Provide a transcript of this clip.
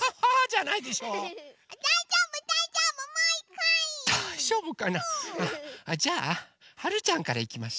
じゃあはるちゃんからいきましょう。